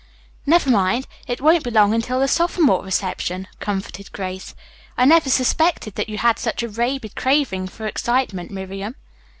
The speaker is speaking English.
"Never mind, it won't be long until the sophomore reception," comforted Grace. "I never suspected that you had such a rabid craving for excitement, Miriam."